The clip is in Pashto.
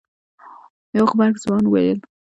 يو غبرګ ځوان وويل.